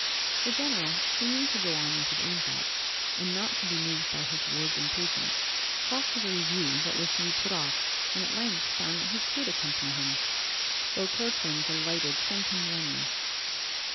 The general, seeming to go on with his own thoughts, and not to be moved by his ward's impatience, talked of a review that was to be put off, and at length found that he could accompany him. Beauclerc then, delighted, thanked him warmly.